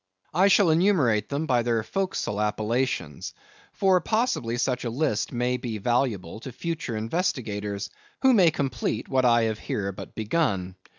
I shall enumerate them by their fore castle appellations; for possibly such a list may be valuable to future investigators, who may complete what I have here but begun.